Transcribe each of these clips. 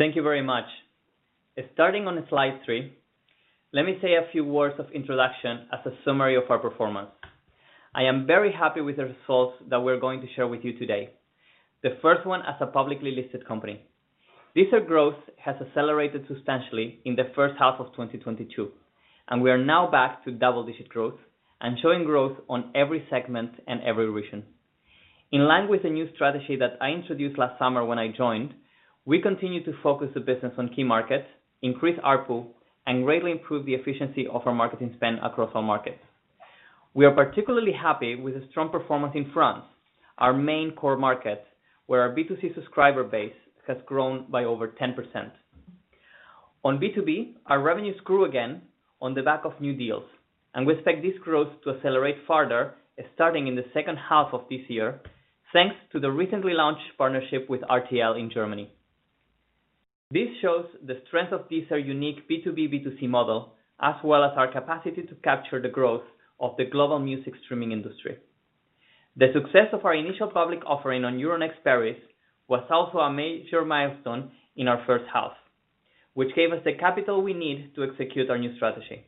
Thank you very much. Starting on Slide 3, let me say a few words of introduction as a summary of our performance. I am very happy with the results that we're going to share with you today. The first one as a publicly listed company. Deezer growth has accelerated substantially in the H1 2022, and we are now back to double-digit growth and showing growth on every segment and every region. In line with the new strategy that I introduced last summer when I joined, we continue to focus the business on key markets, increase ARPU, and greatly improve the efficiency of our marketing spend across all markets. We are particularly happy with the strong performance in France, our main core market, where our B2C subscriber base has grown by over 10%. On B2B, our revenues grew again on the back of new deals, and we expect this growth to accelerate further, starting in the H2 of this year, thanks to the recently launched partnership with RTL in Germany. This shows the strength of Deezer's unique B2B, B2C model, as well as our capacity to capture the growth of the global music streaming industry. The success of our initial public offering on Euronext Paris was also a major milestone in our H1, which gave us the capital we need to execute our new strategy.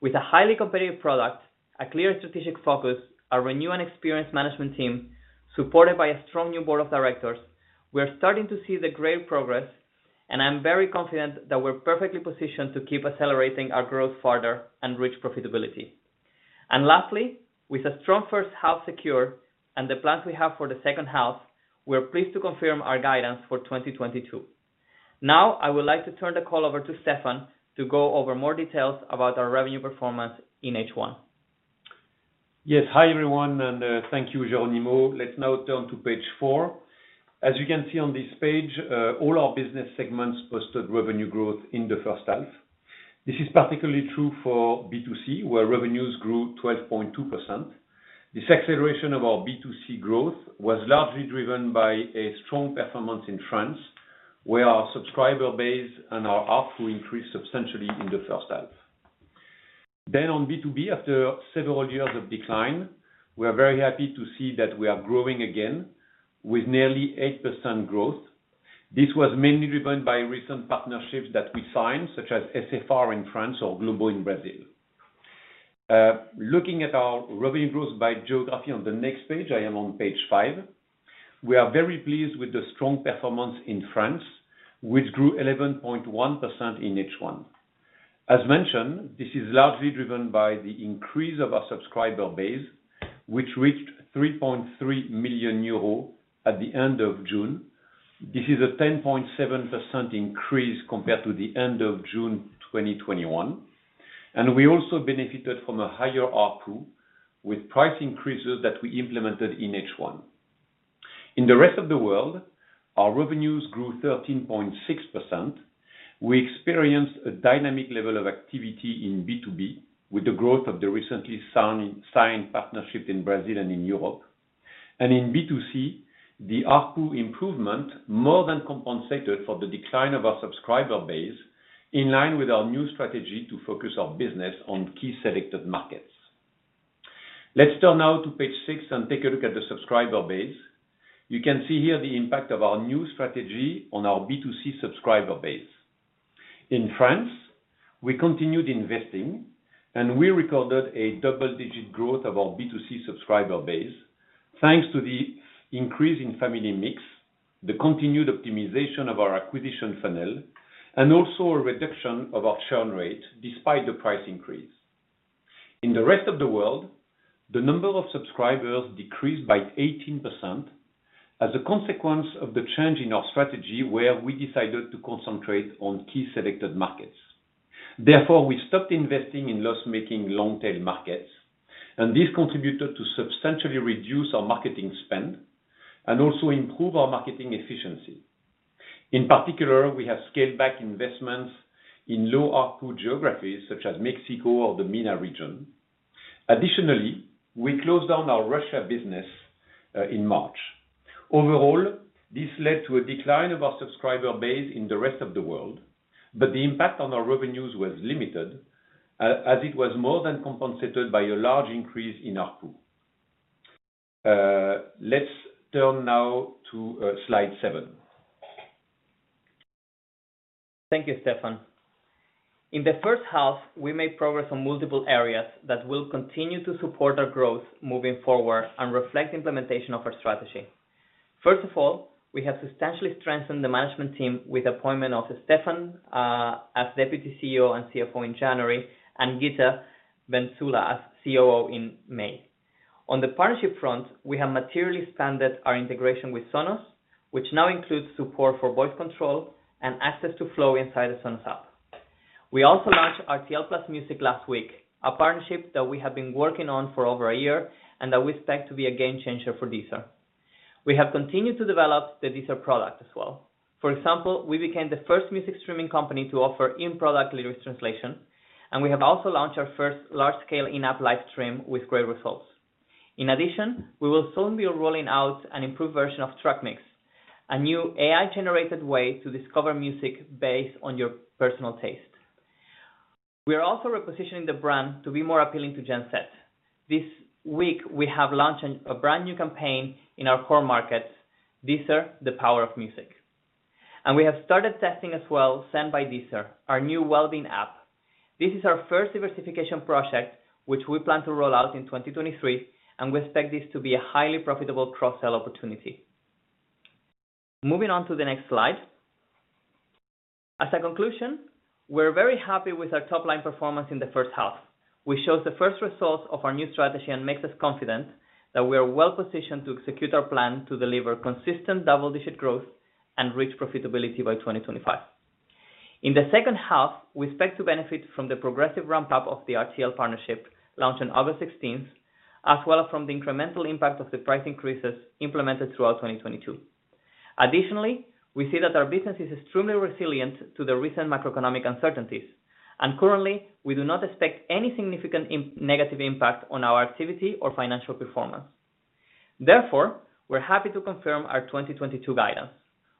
With a highly competitive product, a clear strategic focus, a renewed and experienced management team, supported by a strong new board of directors, we are starting to see the great progress, and I'm very confident that we're perfectly positioned to keep accelerating our growth further and reach profitability. Lastly, with a strong H1 secure and the plans we have for the H2, we are pleased to confirm our guidance for 2022. Now, I would like to turn the call over to Stéphane to go over more details about our revenue performance in H1. Yes. Hi, everyone, and thank you, Jeronimo. Let's now turn to Slide 4. As you can see on this page, all our business segments posted revenue growth in the H1. This is particularly true for B2C, where revenues grew 12.2%. This acceleration of our B2C growth was largely driven by a strong performance in France, where our subscriber base and our ARPU increased substantially in the H1. On B2B, after several years of decline, we are very happy to see that we are growing again with nearly 8% growth. This was mainly driven by recent partnerships that we signed, such as SFR in France or Globo in Brazil. Looking at our revenue growth by geography on the next page, I am on Slide 5, we are very pleased with the strong performance in France, which grew 11.1% in H1. As mentioned, this is largely driven by the increase of our subscriber base, which reached 3.3 million at the end of June. This is a 10.7% increase compared to the end of June 2021, and we also benefited from a higher ARPU with price increases that we implemented in H1. In the rest of the world, our revenues grew 13.6%. We experienced a dynamic level of activity in B2B with the growth of the recently signed partnership in Brazil and in Europe. In B2C, the ARPU improvement more than compensated for the decline of our subscriber base in line with our new strategy to focus our business on key selected markets. Let's turn now to Slide 6 and take a look at the subscriber base. You can see here the impact of our new strategy on our B2C subscriber base. In France, we continued investing, and we recorded a double-digit growth of our B2C subscriber base, thanks to the increase in family mix, the continued optimization of our acquisition funnel, and also a reduction of our churn rate despite the price increase. In the rest of the world, the number of subscribers decreased by 18% as a consequence of the change in our strategy where we decided to concentrate on key selected markets. Therefore, we stopped investing in loss-making long-tail markets, and this contributed to substantially reduce our marketing spend and also improve our marketing efficiency. In particular, we have scaled back investments in low ARPU geographies such as Mexico or the MENA region. Additionally, we closed down our Russia business in March. Overall, this led to a decline of our subscriber base in the rest of the world, but the impact on our revenues was limited, as it was more than compensated by a large increase in ARPU. Let's turn now to Slide 7. Thank you, Stéphane. In the H1, we made progress on multiple areas that will continue to support our growth moving forward and reflect implementation of our strategy. First of all, we have substantially strengthened the management team with appointment of Stéphane as Deputy Chief Executive Officer and Chief Financial Officer in January and Gita Ghaem-Maghami as Chief Operating Officer in May. On the partnership front, we have materially expanded our integration with Sonos, which now includes support for voice control and access to Flow inside the Sonos app. We also launched RTL+ Music last week, a partnership that we have been working on for over a year and that we expect to be a game- changer for Deezer. We have continued to develop the Deezer product as well. For example, we became the first music streaming company to offer in-product lyrics translation, and we have also launched our first large-scale-in-app live stream with great results. In addition, we will soon be rolling out an improved version of Track Mix, a new AI-generated way to discover music based on your personal taste. We are also repositioning the brand to be more appealing to Gen Z. This week, we have launched a brand new campaign in our core markets, "Deezer: The Power of Music". We have started testing as well, Zen by Deezer, our new well-being app. This is our first diversification project, which we plan to roll out in 2023, and we expect this to be a highly profitable cross-sell opportunity. Moving on to the next slide. As a conclusion, we're very happy with our top line performance in the H1, which shows the first results of our new strategy and makes us confident that we are well-positioned to execute our plan to deliver consistent double-digit growth and reach profitability by 2025. In the H2, we expect to benefit from the progressive ramp-up of the RTL partnership launched on August 16, as well as from the incremental impact of the price increases implemented throughout 2022. Additionally, we see that our business is extremely resilient to the recent macroeconomic uncertainties. Currently, we do not expect any significant negative impact on our activity or financial performance. Therefore, we're happy to confirm our 2022 guidance.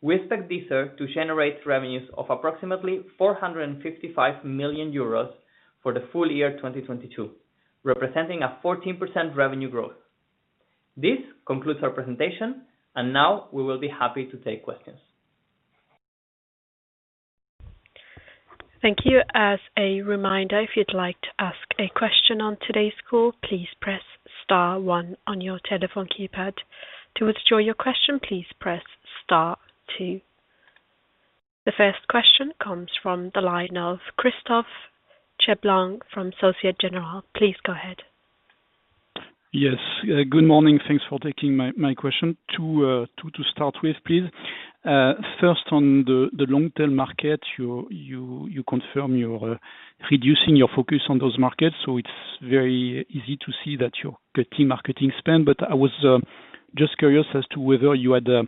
We expect Deezer to generate revenues of approximately 455 million euros for the full-year 2022, representing a 14% revenue growth. This concludes our presentation, and now we will be happy to take questions. Thank you. As a reminder, if you'd like to ask a question on today's call, please press star one on your telephone keypad. To withdraw your question, please press star two. The first question comes from the line of Christophe Cherblanc from Société Générale. Please go ahead. Yes. Good morning. Thanks for taking my question. Two to start with, please. First on the long-tail market, you confirm you're reducing your focus on those markets, so it's very easy to see that you're cutting marketing spend. I was just curious as to whether you had a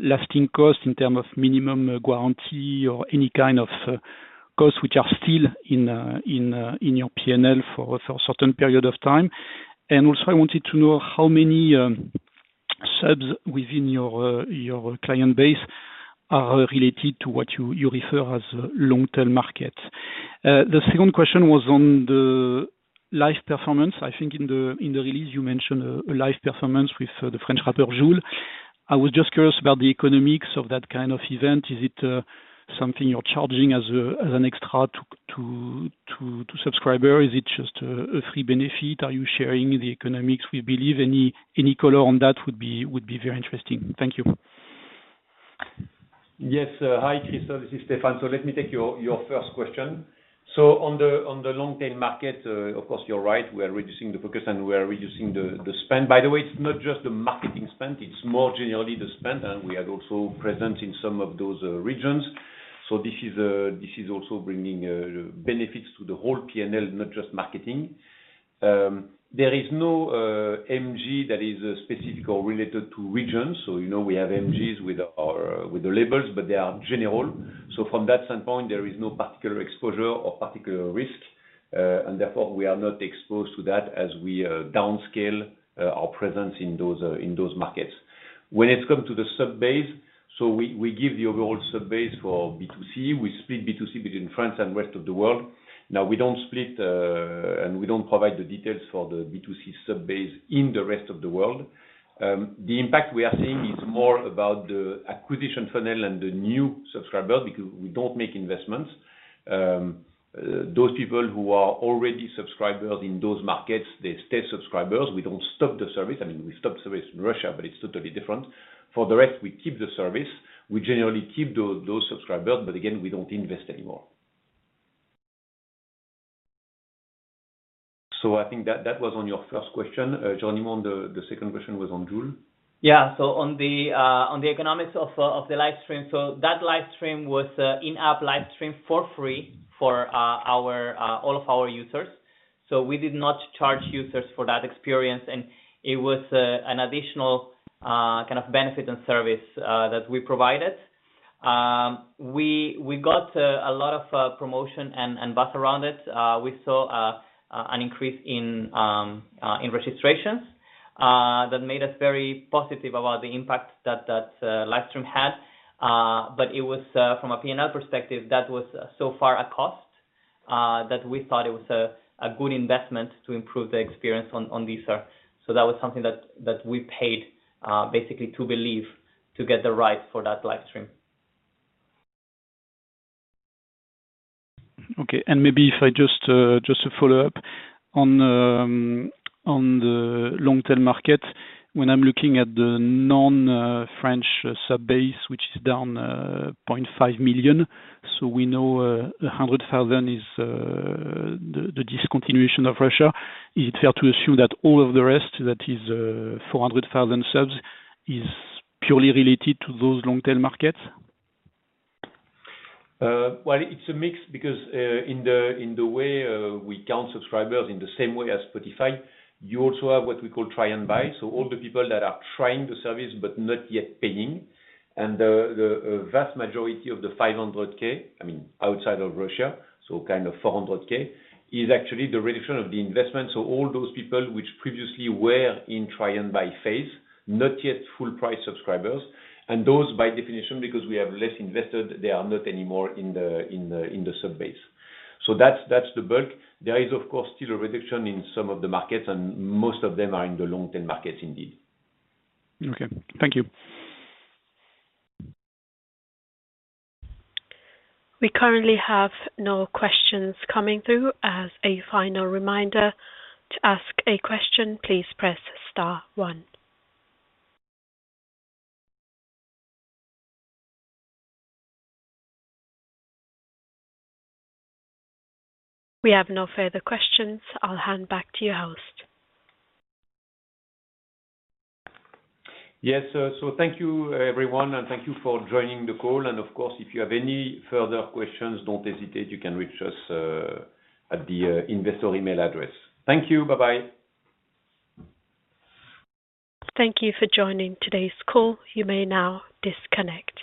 lasting cost in terms of minimum guarantee or any kind of costs which are still in your P&L for a certain period of time. Also, I wanted to know how many subscriber within your client base are related to what you refer as long-tail markets. The second question was on the live performance. I think in the release you mentioned a live performance with the French rapper, Jul. I was just curious about the economics of that kind of event. Is it something you're charging as an extra to subscriber? Is it just a free benefit? Are you sharing the economics? We believe any color on that would be very interesting. Thank you. Yes. Hi, Christophe. This is Stéphane. Let me take your first question. On the long-tail market, of course you're right, we are reducing the focus and we are reducing the spend. By the way, it is not just the marketing spend, it's more generally the spend, and we are also present in some of those regions. This is also bringing benefits to the whole P&L, not just marketing. There is no MG that is specific or related to regions. We have MGs with the labels, but they are general. From that standpoint, there is no particular exposure or particular risk, and therefore we are not exposed to that as we downscale our presence in those markets. When it comes to the subsciber base, we give the overall subscriber base for B2C. We split B2C between France and rest of the world. Now, we do not split and we do not provide the details for the B2C subscriber base in the rest of the world. The impact we are seeing is more about the acquisition funnel and the new subscriber because we don't make investments. Those people who are already subscribers in those markets, they stay subscribers. We do not stop the service. We stop service in Russia, but it is totally different. For the rest, we keep the service. We generally keep those subscribers, we don't invest anymore. I think that was on your first question. Jeronimo, the second question was on July. On the economics of the live stream. That live stream was in-app livestream for free for all of our users. We did not charge users for that experience, and it was an additional kind of benefit and service that we provided. We got a lot of promotion and buzz around it. We saw an increase in registrations that made us very positive about the impact that live stream had. It was, from a P&L perspective, so far a cost that we thought it was a good investment to improve the experience on Deezer. That was something that we paid basically to be live, to get the rights for that live stream. Okay. Maybe if I just to follow up on the long-term market. When I'm looking at the non-French subscriber base, which is down 0.5 million. We know 100,000 is the discontinuation of Russia. Is it fair to assume that all of the rest, that is 400,000 subscriber, is purely related to those long-tail markets? Well, it's a mix because in the way we count subscribers in the same way as Spotify, you also have what we call try and buy. All the people that are trying the service but not yet paying, and the vast majority of the 500K, outside of Russia, 400K, is actually the reduction of the investment. All those people which previously were in try and buy phase, not yet full price subscribers. Those by definition, because we have less invested, they are not anymore in the sub base. That's the bulk. There is of course still a reduction in some of the markets, and most of them are in the long-tail markets indeed. Okay. Thank you. We currently have no questions coming through. As a final reminder, to ask a question, please press star one. We have no further questions. I'll hand back to you, host. Yes. Thank you everyone, and thank you for joining the call. Of course, if you have any further questions, don't hesitate. You can reach us at the investor email address. Thank you. Bye-bye. Thank you for joining today's call. You may now disconnect.